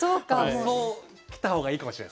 そう来た方がいいかもしれないですね。